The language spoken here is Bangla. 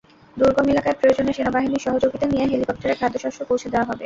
দুর্গম এলাকায় প্রয়োজনে সেনাবাহিনীর সহযোগিতা নিয়ে হেলিকপ্টারে খাদ্যশস্য পৌঁছে দেওয়া হবে।